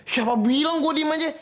siapa bilang gue diem aja